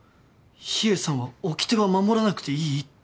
秘影さんはおきては守らなくていいって。